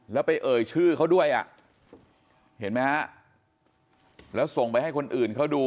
แล้วไปเอ่ยชื่อเขาด้วยอ่ะเห็นไหมฮะแล้วส่งไปให้คนอื่นเขาดู